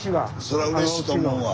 そらうれしいと思うわ。